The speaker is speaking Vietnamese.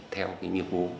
theo cái nhiệm vụ